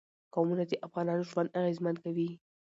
قومونه د افغانانو ژوند اغېزمن کوي.